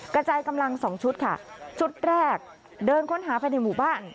กระจายกำลังสองชุดค่ะชุดแรกเดินค้นหาภายในหมู่บ้าน